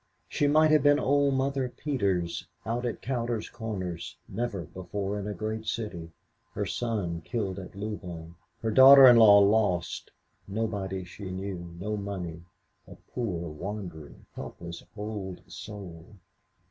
She might have been old Mother Peters out at Cowder's Corners never before in a great city her son killed at Louvain her daughter in law lost nobody she knew no money a poor, wandering, helpless old soul.